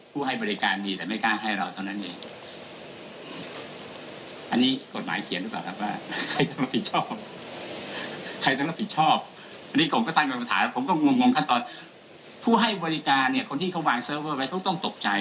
ผมต้องคิดว่าผู้ให้บริการคนที่เขาวางเซิร์เวอร์ไปต้องตกใจ